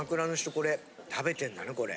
これ食べてんだねこれ。